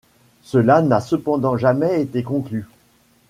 Cela n'a cependant jamais été conclu.